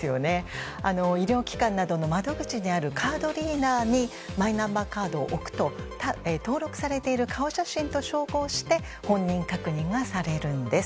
医療機関などの窓口にあるカードリーダーにマイナンバーカードを置くと登録されている顔写真と照合して本人確認がされるんです。